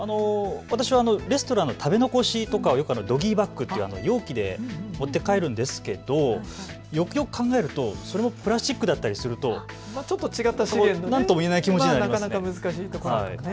私はレストランの食べ残しとかよくドギーバッグという容器で持って帰るんですけどよくよく考えると、それもプラスチックだったりするとなんとも言えない気持ちにはなりますね。